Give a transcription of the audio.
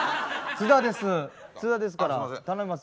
津田です。